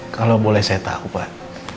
kalau boleh saya tahu pak